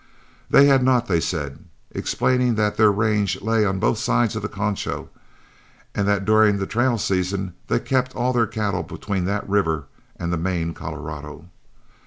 They had not, they said, explaining that their range lay on both sides of the Concho, and that during the trail season they kept all their cattle between that river and the main Colorado.